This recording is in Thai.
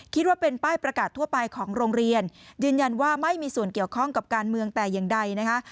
คิดว่าเป็นป้ายประกาศทั่วไปของโรงเรียนยืนยันว่าไม่มีส่วนเกี่ยวข้องกับการเมืองแต่อย่างใดนะคะ